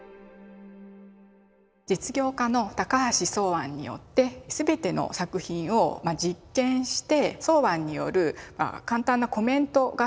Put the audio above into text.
実業家の高橋箒庵によって全ての作品を実見して箒庵による簡単なコメントが添えられています。